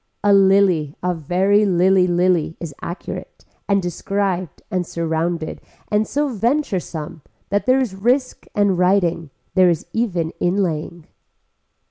A lily a very lily lily is accurate and described and surrounded and so venturesome that there is risk and writing, there is even inlaying.